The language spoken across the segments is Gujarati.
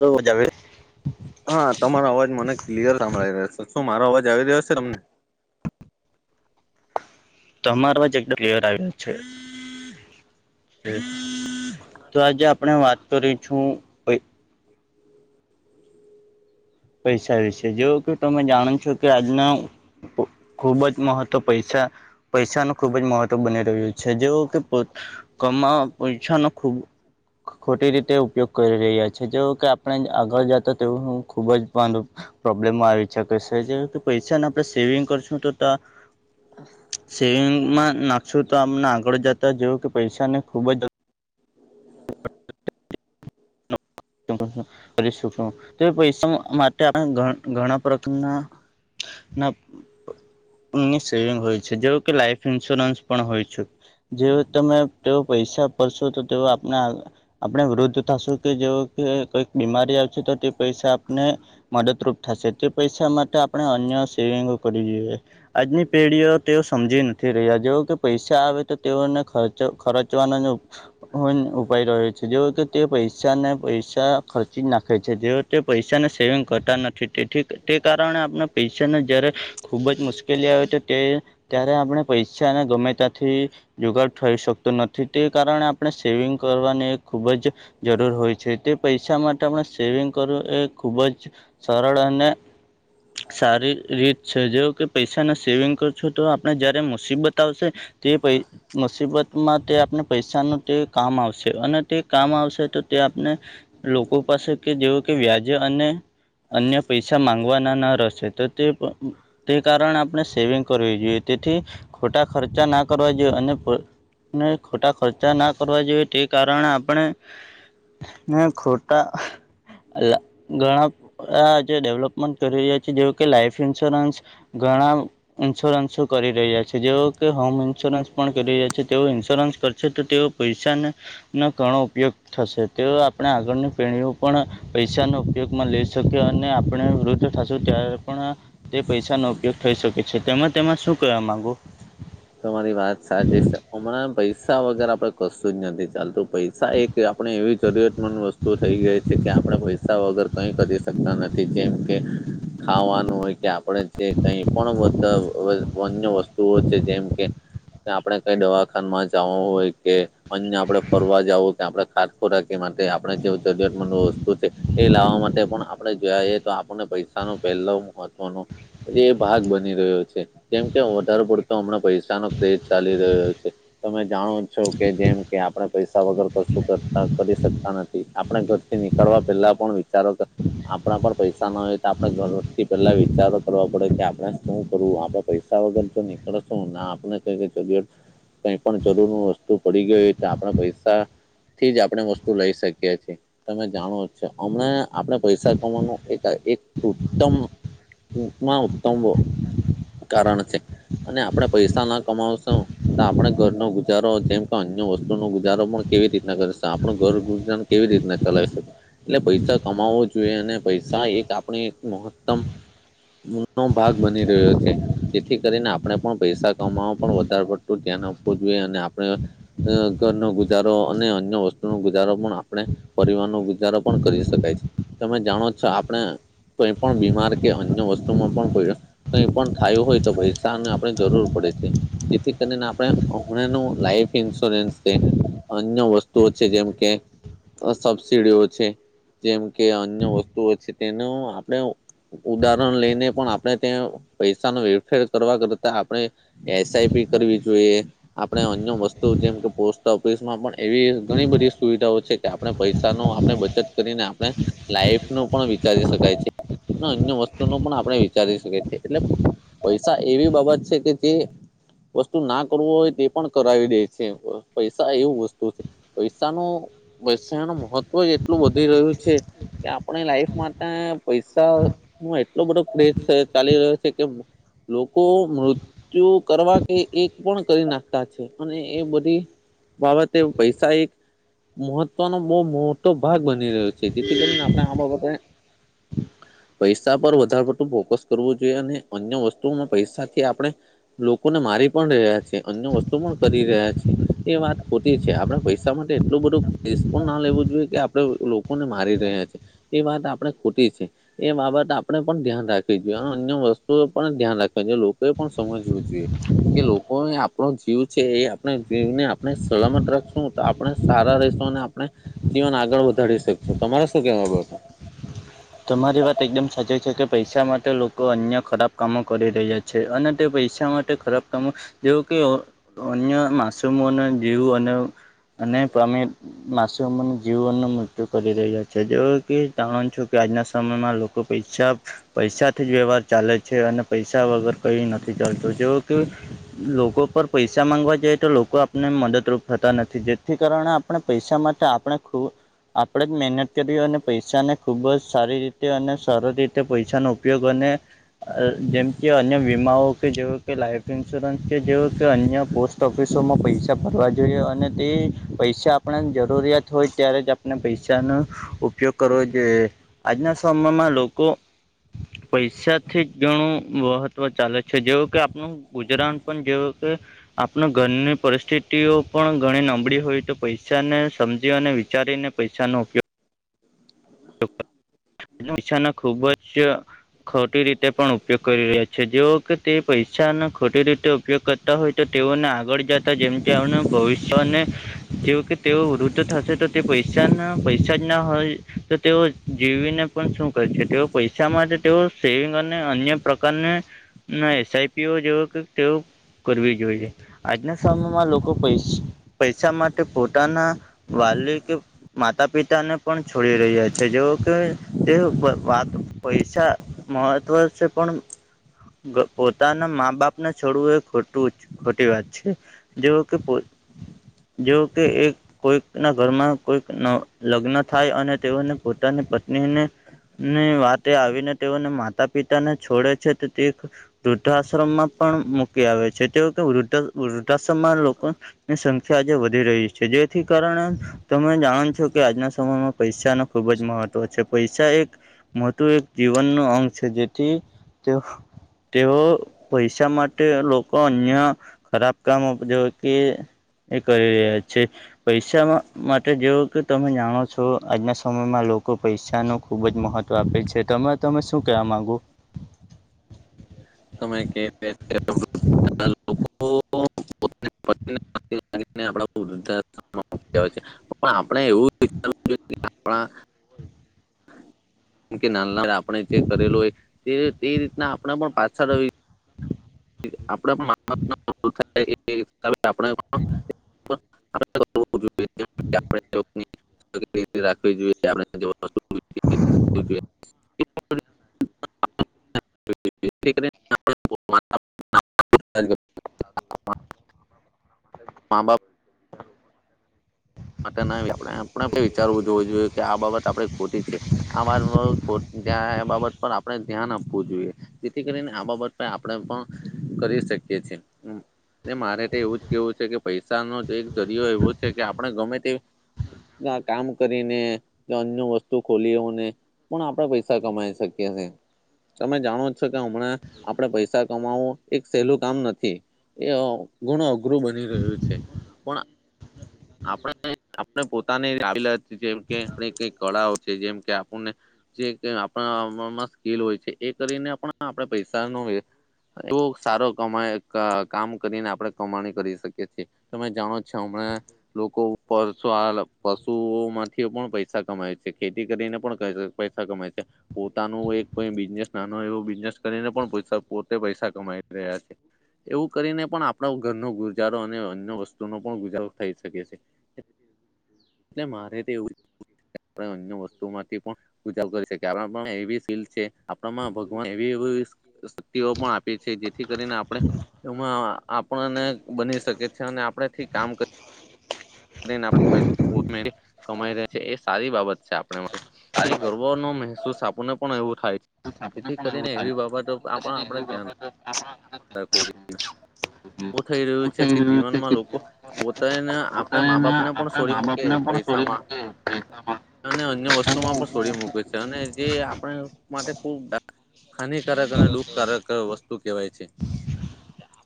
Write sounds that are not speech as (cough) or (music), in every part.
તો હો જવે હા તમારો અવાજ મને ક્લિયર સાંભળી રહ્યો છે શું મારો અવાજ આવી રહ્યો છે તમને તમારોજો ફ્વર આવ છે. તો આજે આપણે વાત કરી છુ. (inaudible) (inaudible) પૈસા વિશે જો કે તમે જાણો છો કે આજના ખુબ જ મહત્વ પૈસા પૈસા ન ખૂબ જ મહત્વ બની રહ્યું છે જે કે ક પૈસા ન ખૂબ ખોટી રીતે ઉપયોગ કરી રહ્યા છે જે કે આપણે આગળ જતા તેવું હું ખૂબ જ પ્રોબ્લેમમાં આવી પૈસાને આપણે સેવિંગ કરશું તો સેવિંગમાં નાખશો તો અમને આગળ જતા જેવું કે પૈસા ને ખુબ જ શ તો પૈસા માટે ઘણા પ્રકાર િ હોય લ ઇન્સરાન્સ પણ હોય છુ. જે તમે તેઓ પૈસા ભરશો તો તેઓ આપ આપણે વૃદ્ધ થશું કે જે કે કઈક બીમારી આવશે તો તે પૈસા આપને મદદરૂપ સ તે પૈસા મત્ર આપણે અન સેવીંગ કરીે આજની પેઢીઓ તેઓ સમજી નથી રહ્યા જેવ કે પૈસા આવે તો તેઓને ખર્ ખર્ચવાનો ઉપાય રહ્યો છે. તે પૈસા અનેને પૈ પૈસા ખર્ચી જ નાખે છે જેઓ તે પૈસાને સેવિંગ કરતા નથી તેથીી તે કારણે આપણે પૈસાને જ્યારે ખૂબ જ મુશ્કેલી આવે તો તે ત્યારે આપણે પૈસાને ગમે તથી જોગડ થઈ શકતો નથી તે કારણે આપણે સેવિંગ કરવાની ખૂબ જ જરૂર હોય છે તે પૈસા માટે આપણે સેવિંગ કરવું એ ખૂબ જ સરળ અને સારી રીત છે જે કે પૈસાના સેવિંગ કર છો, તો આપણે જયારે મુસીબત આવશે તે પૈ મુસીબત માં તે આપણે પૈસાનું તે કામ આવશે અને તે કામ આવશે તો તે આપણે લોકો પાસે કે જેવ કે વ્યાજે અને. અન્ય પૈસા માંગવાના ના રહેશે તો તે તે કારણે આપણે સેવિંગ કરવી જોઈએ તેથી ખોટા ખર્ચા ના કરવા જોઈએ અને ને ખોટા ખર્ચા ના કરવા જોઈએ તે કારણે આપણે ખૂંટા ઘણા આ જે ડેવલોપમેન્ટ કરી રહ્યા છે જે કે લાઈફ ઇન્સ્યોરન્સ ઘણા ઇન્સ્યોરન્સો કરી રહ્યા છે જેવો કે હોમ ન્સ્યોરન્સ પણ કરી રહ્યા છે તેઓ ઇન્સ્યોરન્સ કરશે તો તેઓ પૈસાને નો ઘણો ઉપયોગ થશે તેઓ આ આપણે આગળની પેઢીઓ પણ પૈસાનો ઉપયોગમાં લઈ શકીએ અને આપણે વૃદ્ધ થશું ત્યારે પણ તે પૈસા નો ઉપયોગ થઈ શકે છે તેમાં તેમાં શું કેવા માંગો? તમારી વાત સાચી છે હમણાં પૈસા વગર આપડ કશું જ નથી ચાલતું પૈસા એક. કે આપણે એવી જરૂરતમંદ વસ્તુ થઈ ગઈ છે કે આપણે પૈસા વગર કઈ કરી શકતા નથી જેમ કે. ખાવાનું હોય કે આપડે જે કઈ પણ બધા વન્ય વસ્તુઓ. જેમ કે આપણે કઈ દવાખામાં જવ હોય કે. અન્ય આપડે ફરવા જવું કે આપણે ખાત ખોરાકી માટે આપણે જે જરૂરિયાતમંદ વસ્તુ છે. એ લાવવા માટે પણ આપણે જોયાએ તો આપણને પૈસા ન પહેલો મહત્વનો. એ ભાગ બની રહ્યો છે કેમ કે વધારે પડ તો હમણાં પૈસાનો ક્રેજ ચાલી રહ્યો છે. તમે જાણો છો કે જેમ કે આપણે પૈસા વગર તો શું કરતા કરી શકતા નથી આપણે ઘરથી ની કરવા પેલા પણ વિચારો કર આપડા પર પૈસા ના હોય તો આપડણે ઘરથી પેલા વિચારો કરવા પડે કે આપણે શું કરવું આપડે પૈ સા વગર જો નીકળ છું ના આપને (inaudible) કઈ પણ જરૂર નું વસ્તુ પડી ગઈ હોય તો આપણે પૈસા. થી જ આપણે વસ્તુ લઈ શકીએ છે તમે જાણો છે અમને આપણે પૈસા કમાવાનું એક એક ઉત્તમ ટૂંક માં ઉત્તમો કારણ છે અને આપણે પૈસા ના કમાવશું તો આપણે ઘરનો ગુજારો જેમ કે અન્ય વસ્તુ નો ગુજારો પણ કેવી રીતના કરશે. પણ ઘર ગુજરાન કેવી રીતના ચલાવી શું એટલે પૈસા કમાવવો જોઈએ અને પૈસા એક આપણે મહત્તમ. નો ભાગ બની રહ્યો છે જેથી કરીને આ આપણે પણ પૈસા કામવામાં પણ વધારે પડતું ધ્યાન આપવું જોઈએ અને આપણે. અ ઘરનો ગુજારો અને અન્ય વસ્તુનો ગુજારો પણ આપણે. પરિવાર નો ગુજારો પણ કરી શકાય છે તમે જાણો છો આપણે તો પણ બીમાર કે અન્ય વસ્તુમાં પણ તો પણ થયું હોય તો પૈસાને. જરૂર પડે છે જેથી કરીને આપણે હમણાં ન લાઈફ ઇન્સ્યોરન્સ કે અન્ય વસ્તુઓ છે જેમ કે. સબસીડીઓ છે. જેમ કે અન્ય વસ્તુઓ છે તેનો આપડે ઉદાહરણ લઈને પણ આપણે ત્યાં પૈસા ન વેરફેર કરવા કરતા આપડે એસઆઈપી કરવી જોઈએ. આપણે અન્ય વસ્તુ જેમ કે પોસ્ટ ઓફિસ માં પણ એવી ઘણી બધી સુવિધાઓ છે. આપણે પૈસા નો આપણે બચત કરીને આપણે. લાઈફ નું પણ વિચારી શકાય છે અને અન્ય વસ્તુ નું પણ આપણે વિચારી શકીએ છે એટલે. પૈસા એવી બાબત છે કે જે. વસ્તુ ના કરવો હોય તે પણ કરાવી દે છે પૈસા એવું વસ્તુ છે. પૈસા ન વ્યસાય નો મહત્વ એટલું વધી રહ્યું છે. કે આપણી લાઈફ માટે પૈસા નો એટલો બધો કેસ ચાલી રહ્યો છે કે. લોકો મૃત કરવા કેય એ પણ કરી નાખતા છે અને એ બધી બાબતે પૈસા એક મહત્વનો બહુ મોટો ભાગ બની રહ્યો (unintelligible) આપણા હાભાળવા તારે પૈસા પર વધારે પડતું ફોકસ કરવું જોઈએ, અને અન્ય વસ્તુઓમાં પૈસાથી આપણે લોકોને મારી પણ રહ્યા છે અન્ય વસ્તુ પણ કરી રહ્યા છે. એ વાત ખોતી છે આપડે પૈસા માટે એટલું બધું રસ્પો ના લેવું જોઈએ કે આપડે લો કો ને મારી રહ્યા છે એ વાત આપડે ખોટી છે. એ બાબત આપે પણ ધ્યાન રાખવી જોઈએ અને અન્ય વસ્તુ પણ ધ્યાન રાખવા જોઈએ લોકોએ પણ. સમજવું જોએ. કે લોકો એ આપણો જીવ છે એ આપણે જીવને આપણે સલામત રાખશું તો આપણે સારા રે આપણે જીવન આગળ વધારી શકશું તમારે શું કેવા આ બાબત તમારી વાત એકદમ સાચી છે કે પૈસા માટે લોકો અન્ય ખરાબ કામો કરી રહ્યા છે. અને તે પૈસા માટે ખરાબ કામો જેવો કેઓ અન્ય માસમો ને જીવ અને અને પ્રમે માસુમ જીવનું મૃત્યુ કરી રહ્યા છે, જેઓ કે તણ છોક કે આજના સમયમાં લોકો પૈછા પૈસાથી જ વ્યવહાર ચાલે છે, અને પૈસા વગર કઈ નથી ચાલતો જેવો કે લોકો પર પૈસા માંગવા જઈએ તો લોકો આપને મદદરૂપ થતા નથી જેથી કારણે પણ પૈસા માટે આપણે ખુબ આપણેે જ મહેનત કરી અને પૈસાને ખૂબ જ સારી રીતે અને સરળ રીતે પૈસાનો ઉપયોગ અને જેમ કે અન્ય વીમાઓ કે જેવ કે લાઈફ ઇન્સ્યોરન્સ કે જેવ કે અન્ય પોસ્ટ ઓફિસોમાં પૈસા ભરવા જોઈએ અને તે પૈસા આપણને જરૂરિયાત હોય ત્યારે આપ પૈસા નો ઉપયોગ કરવો કે આજના સમયમાં લોકો પૈસાથી જ ઘણું મહત્વ ચાલે છે, જેવું કે આપણું ગુજરાન પણ જેવું કે આપના ઘરની પરિસ્થિતિઓ પણ ઘણી નબળી હોય તો પૈસાને સમજી અને વિચારીને પૈસાનો ઉપયોગ છાનો ખુબ જ ખોટી રીતે પણ ઉપયોગ કરી રહ્યા જેઓ કે તે પૈસાનો ખોટી રીતે ઉપયોગ કરતા હોય તો તેઓને આગળ જતા જેમ કે ભવિષ્યને જેઓ કે તેઓ વૃદ્ધ થશે તો તે પૈસા (unintelligible) ના પૈસા જ ના હોય તો તેઓ જીવીને શું કર છે, તેઓ પૈસામાં જ તેઓ સેવિંગ અને અન્ય પ્રકારને ના એસઆઈપી ઓ જેવ કઈક તેવું કરવી જોઈએ, આજના સમયમાં લોકો પૈસ પૈસા માટે પોતાના વાલી કે માતા પિતા ને પણ છોડી રહ્યા છે, જેવો કે તે વાત પૈસા મહત્વ છે, પણ પોતાના મા બાપને છોડવું એ ખોટું ખોટી વાત છે. જેઓ કે કોઈક જે કે એક કોઈક ના ઘરમાં કોઈક ન લગ્ન થાય અને તેઓને પોતાની પત્નીને ની વાતે આવીને તેઓને માતા પિતાને છોડે છે, તો તે વૃદ્ધાશ્રમમાં પણ મૂકી આવે છે તેઓ કે વૃદ્ધ વૃદ્ધાશ્રમમાં લોકો ની સંખ્યા આજે વધી રહી છે, જેથી કારણે તમે જાણ છો કે આજના સમયમાં પૈસાના ખુબ જ મહત્વ છે. પૈસા એક મોટું એક જીવનનુ અંગ છે, જેથી તેઓ તેઓ પૈસા માટે લોકો અન્ય ખરાબ કામ જો કે એ કરી રહ્યા છે. પૈસા માટે જો કે તમે જાણો છો આજના સમયમાં લોકો પૈસા પૈસાનો ખુબ જ મહત્વ આપે છે, તમે તમે શું કહેવા માંગુ? તમે કે લોકો (unintelligible) આપણે એવુંજ આપણાં (unintelligible) કે નાના આપણે જે કરેલું હોય તે તે રીતના આપણ મા પાછળ (unintelligible) (inaudible) (unintelligible) (unintelligible) રાખવી જોઈએ આપ (unintelligible) (unintelligible) હલૉ મા બાપ હ માટે ના આપ આપ વિચારવું જોવું જોઈએ કે આ બાબત આપે ખોટી છે આ બાબત પર આપણે ધ્યાન આપવું જોઈએ જેથી કરીને આ બાબત આપણે પણ કરી શકીએ છેએ મારે તે એવું જ કેવું છે કે પૈસાનો એક જરિયો એવો છે કે આપણે ગમે તે કામ કરીને અન્ય વસ્તુ ખોલીઓ ને પણ આપણેે પૈસા કમાઈ શકીએ છે તમે જાણો કે હમણાં આપે પૈસા કમાવું એક સહેલું કામ નથી એ ઘણું અઘરું બની રહ્યું છે પણ આપણે આપણે પોતાની જેમ કે આપ કઈ કળાઓ છે જેમ કે આપણને જે આપણામાં સ્કીલ હોય છે એ કરીને પણ આપણે પૈસા નો તુ સારો કમાય કામ કરીને આપણે કમાણી કરી શકીએ છીએ તમે જાણો જ છો હમણાં લોકો પ પશુઓ માંથી પણ પૈસા કમાય છે ખેતી કરીને પણ ક પૈસા કમાય છે પોતાનું એક કઈ બિઝનેસ નાનો એવો બિઝનેસ કરીને પણ પોતે પૈસા કમાઈ રહ્યા છે એવું કરીને પણ આપણા ઘરનો ગુજારો અને અન્ય વસ્તુનો પણ ગુજારો થઈ શકે છે હ એટલે મારે તો એવું આપણે અન્ય વસ્તુમાંથી પણ પૂજા કરી શકિએ એવી સ્કીલછે આપણામાં ભગવાન એવી એ શક્તિઓ પણ આપ જેથી કરીને આપણે એમાં આપણને બની શકે છે અને આપણેથી કામ અને પોટ મેરી કમાઈ રહ્યા છે એ સારી બાબત છે આપણા માટે એ ગર્વનો મહેસૂસ આપને પણ એવું થાય છે આપને જેથી પણ કરીને એવું થાય એવી બાબતો એ કરીને આપણા તકો એ થઈ રહ્યું છે કે જીવનમાં લોકો પોતાને આપણા મા બાપને પણ છોડી મૂકે પૈસા છોડી મૂકે અકજેટ અને અન્ય વસ્તુ માં પણ છોડી મૂકે છે અને જે આપણે માટે હાનિકારક અને દુઃખકારક વસ્તુ કહેવાય છે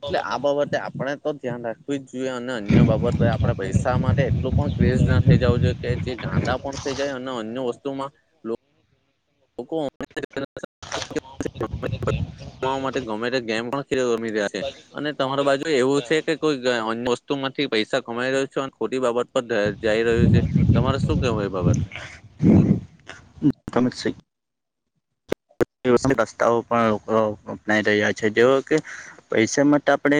એટલે આ બાબતે આપણે તો ધ્યાન રાખવી જ જોઈએ અને અન્ય બાબત આપણે પૈસા માટે એટલું પણ ક્રેઝ ના થઈ જવું જોઈએ કે જે ગાંડા પણ થઈ જાય અને અન્ય વસ્તુમાં હુકમ ધીમેથી એમ કેવાય જોવા માટે ગમે તે ગેમ પણ ખેલ રમી રહ્યા છે અને તમાર બાજુ એવું છે કે કોઈક અન્ય વસ્તુ માંથી પૈસા કમાઈ રહ્યો છે લઅને ખોટી બાબત જઈ રહ્યું છે તમારે શું કેવું એ બનતે તમે છે રસ્તાઓ પણ લોકો અપનાઈ રહ્યા છે જેવો કે પૈસા માટે આપણે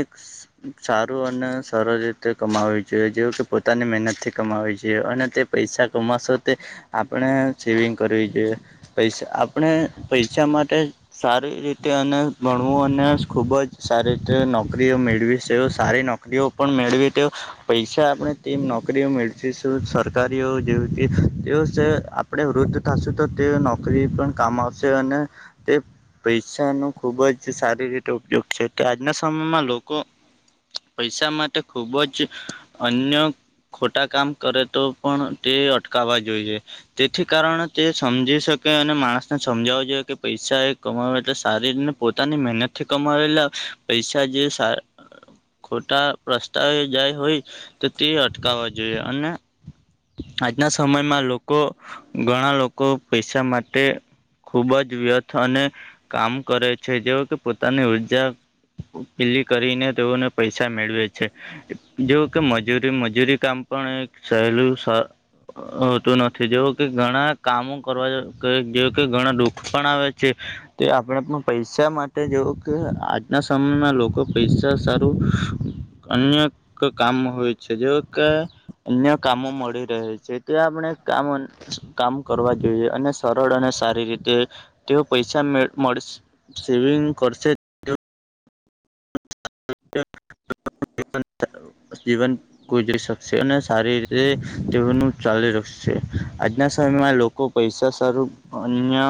સારું અને સરળ રીતે કમાવી જોઈએ જેવું કે પોતાની મહેનતથી કમાવી જોઈએ અને તે પૈસા કમાશો તે આપણે સેવિંગ કરવી જોઈએ પૈસા આપણે પૈસા માટે સારી રીતે અને ભણવું અને ખુબ જ સારી રીતે નોકરીઓ મેળવી છે સારી નોકરી નોકરીઓ પણ મેળવી તે પૈસા આપણે તેમ નોકરીઓ મેળશું સરકારીઓ જે તે આપણે વૃદ્ધ થશું તો તે નોકરી પણ કામ આવશે અને તે પૈસા ન ખુબ જ સારી રીતે ઉપયોગ છે તો આજના સમયમાં લોકો. પૈસા માટે ખુબ જ અન્ય ખોટા કામ કરે તો પણ તે અટકાવવા જોઈએ તેથી કારણે તે સમજી શકે અને માણસને સમજાવું જોઈએ કે પૈસા એ કમાવ એટલે સારી રીને પોતાની મહેનત થી કમાવેલા પૈસા જે સા ખોટા પ્રસ્તાવે જાય હોય તો તે અટકાવવા જોઈએ અને આજના સમયમાં લોકો ઘણા લોકો પૈસા માટે ખૂબ જ વ્યર્થ અને કામ કરે છે જેવ કે પોતાની ઉર્જા પીલી કરીને તેઓને પૈસા મેળવે છે. જેવું કે મજૂરી મજૂરી કામ પણ સહેલું હોતું નથી જેવું કે ઘણા કામો કરવા જે. કે ઘણા દુઃખ પણ આવે છે. તો આપણે પણ પૈસા માટે જોવું કે આજના સમયના લોકો પૈસા સારું અનક કામ હોય છે જે કે અન્ય કામો મળી રહે છે ત આપણે કામ કામ કરવા જોઈએ અને સરળ અને સારી રીતે તેઓ પૈસા મળ સેવિંગ કરશે જીવન ગ શકશે અને સારી રીતે તેનું ચલી રાખશે આજના સમયમાં લોકો. પૈસા સારું અન્ય